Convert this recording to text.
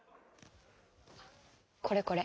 これこれ。